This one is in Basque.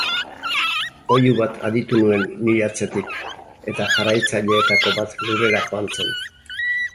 Oihu bat aditu nuen nire atzetik eta jarraitzaileetako bat lurrera joan zen.